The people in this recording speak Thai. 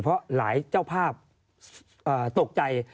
เพราะหลายเจ้าภาพตกใจ